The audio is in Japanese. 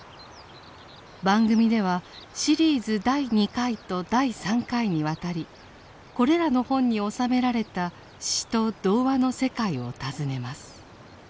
番組ではシリーズ第２回と第３回にわたりこれらの本に収められた詩と童話の世界を訪ねます。